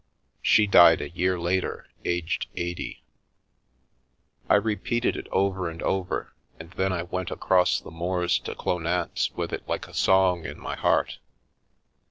She died a year later, aged eighty. I repeated it over and over, and then I went across the moors to Clownance with it like a song in my heart.